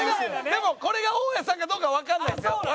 でもこれが大家さんかどうかわかんないですよ。